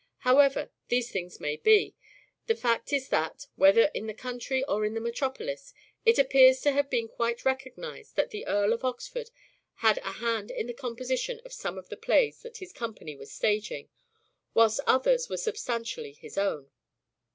However these things may be, the fact is that, Oxford as whether in the country or the metropolis, it appears to ram' have been quite recognized that the Earl of Oxford had a hand in the composition of some of the plays that his company was staging, whilst others were substantially his own.